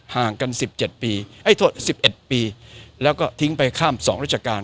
ห่างกัน๑๑ปีแล้วก็ทิ้งไปข้าม๒ราชการ